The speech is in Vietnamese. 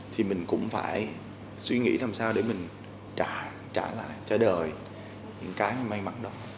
thì mình cũng phải suy nghĩ làm sao để mình trả lại trả đời những cái may mắn đó